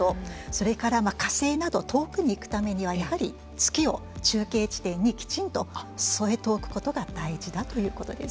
それから火星など遠くに行くためにはやはり月を中継地点にきちんと添えておくことが大事だということです。